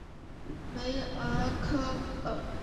梅尔科厄。